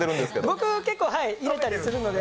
僕、結構入れたりするんで。